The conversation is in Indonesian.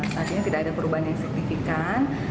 artinya tidak ada perubahan yang signifikan